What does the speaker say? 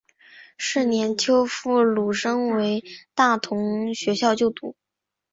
是年秋赴沪升入大同学校就读。